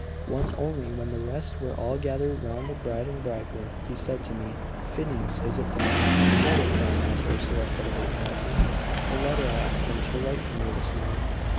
Once only, when the rest were all gathered round the bride and bridegroom, he said to me: "Phineas, is it done?" "What is done?" asked Ursula, suddenly passing. "A letter I asked him to write for me this morning."